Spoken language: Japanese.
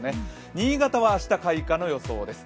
新潟は明日開花の予想です。